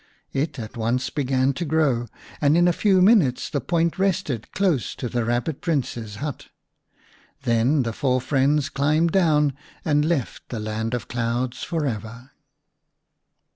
It at once began to grow, and in a few minutes the point rested close to the Kabbit Prince's hut. Then the four friends climbed down and left the land of clouds for ever.